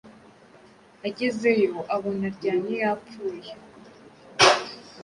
Agezeyoabona aryamye yapfuye